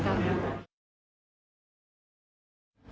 ตรวจต้องทดนตรดก